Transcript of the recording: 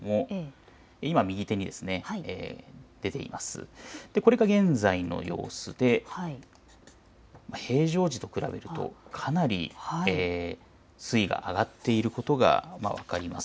今、右手に出ています、これが現在の様子で平常時と比べるとかなり水位が上がっていることが分かります。